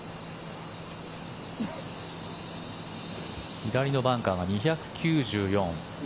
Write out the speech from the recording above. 左のバンカーが２９４。